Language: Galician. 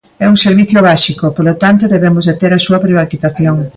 É un servizo básico, polo tanto, debemos deter a súa privatización.